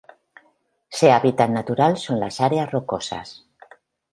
Se hábitat natural son las áreas rocosas.